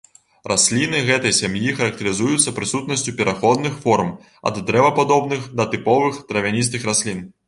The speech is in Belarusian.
Расліны гэтай сям'і характарызуюцца прысутнасцю пераходных форм ад дрэвападобных да тыповых травяністых раслін.